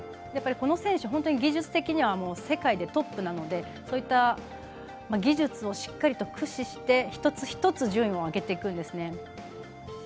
この選手、本当に技術的には世界でトップなのでそういった技術をしっかりと駆使して一つ一つ順位を上げていくんです。